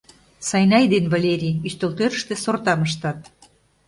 Сайнай ден Валерий ӱстелтӧрыштӧ сортам ыштат.